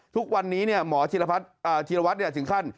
ทุกวันนี้หมอธีรวัตรถึงขั้น